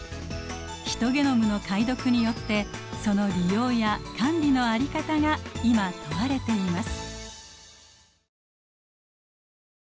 ヒトゲノムの解読によってその利用や管理の在り方が今問われています。